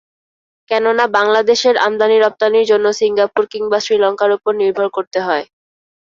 কেননা, এখন বাংলাদেশের আমদানি-রপ্তানির জন্য সিঙ্গাপুর কিংবা শ্রীলঙ্কার ওপর নির্ভর করতে হয়।